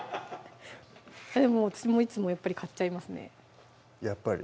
私もいつもやっぱり買っちゃいますねやっぱり？